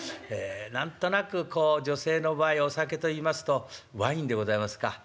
何となくこう女性の場合お酒といいますとワインでございますかねえ。